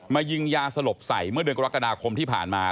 ยิงยาสลบใส่เมื่อเดือนกรกฎาคมที่ผ่านมา